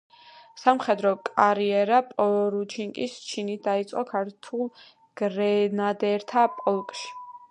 სამხედრო კარიერა პორუჩიკის ჩინით დაიწყო ქართველ გრენადერთა პოლკში.